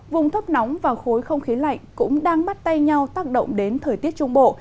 vùng thấp nóng và khối không khí lạnh cũng đang bắt tay nhau tác động đến thời tiết trung bộ